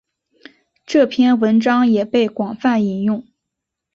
这篇文章也被广泛引用。